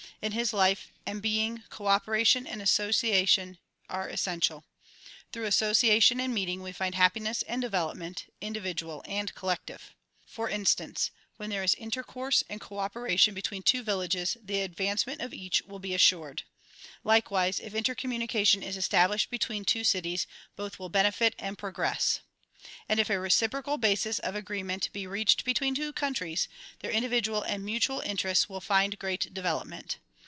In his life and being cooperation and association are essential. Through association and meeting we find happiness and development, indi vidual and collective. For instance, when there is intercourse and cooperation between two villages the advancement' of each will be assured. Likewise if intercommunication is established between two cities both will benefit and progress. And if a reciprocal basis of agreement b?, reached between two countries their individual and mutual inter ests will find great development.